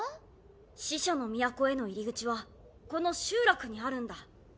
死者の都への入り口はこの集落にあるんだ。